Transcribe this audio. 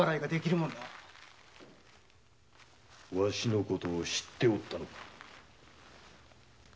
わしのことを知っておったのか。